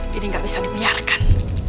jadi gak bisa dibiarkan